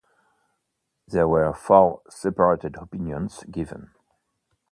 There were four separate opinions given.